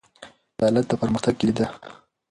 عدالت د پرمختګ کیلي ده.